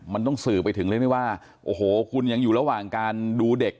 มันต้องสื่อไปถึงเรื่องที่ว่าโอ้โหคุณยังอยู่ระหว่างการดูเด็ก